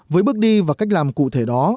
với bước đi và cách làm cụ thể đó